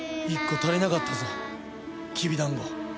１個足りなかったぞきびだんご。